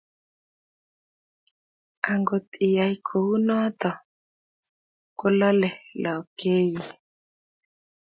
Angot iyai kounotok, kolalei lepkeiyet.